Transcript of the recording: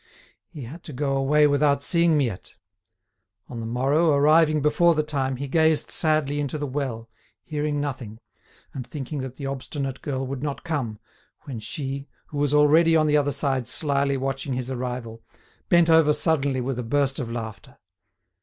He had to go away without seeing Miette. On the morrow, arriving before the time, he gazed sadly into the well, hearing nothing, and thinking that the obstinate girl would not come, when she, who was already on the other side slyly watching his arrival, bent over suddenly with a burst of laughter.